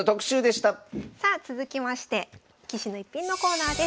さあ続きまして「棋士の逸品」のコーナーです。